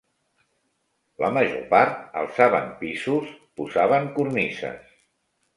La major part alçaven pisos, posaven cornises